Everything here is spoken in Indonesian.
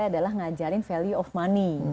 adalah ngajarin value of money